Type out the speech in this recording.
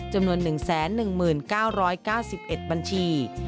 จำนวน๑๑๙๙๑บัญชี